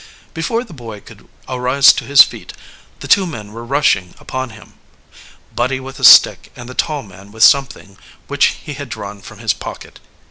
Before the boy could arise to his feet the two men were rushing upon him, Buddy with a stick and the tall man with something which he had drawn from his pocket.